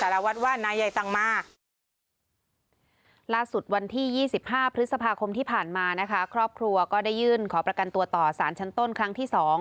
ล่าสุดวันที่๒๕พฤษภาคมที่ผ่านมานะคะครอบครัวก็ได้ยื่นขอประกันตัวต่อสารชั้นต้นครั้งที่๒